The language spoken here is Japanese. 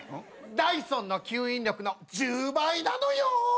ダイソンの吸引力の１０倍なのよ！